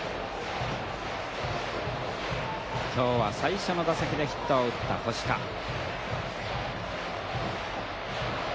今日は最初の打席でヒットを打った星加。